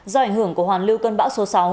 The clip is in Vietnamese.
do ảnh hưởng của hoàn lưu cơn bão số sáu